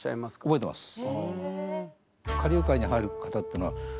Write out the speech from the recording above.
覚えてます。